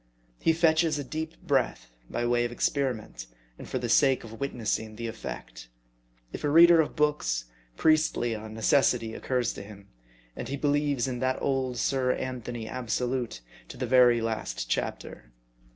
He fetches a deep breath, by way of experiment, and for the sake of witnessing the effect. If a reader of books, Priestley on Necessity occurs to him ; and he believes in that old Sir Anthony Absolute to the very last chapter.